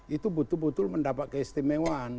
itu betul betul mendapat keistimewaan